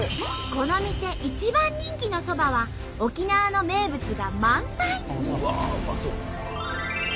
この店一番人気のそばは沖縄の名物が満載！